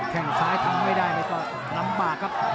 แข่งซ้ายทำไม่ได้มาด้วยสบายเลยครับ